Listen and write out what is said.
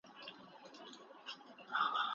موږ باید خپل مهارتونه زیات کړو.